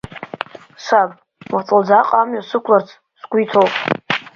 Саб, уаҵәы Лӡааҟа амҩа сықәларц сгәы иҭоуп.